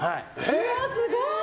うわ、すごい！